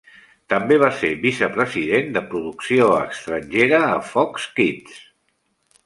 També va ser vicepresident de producció estrangera a Fox Kids.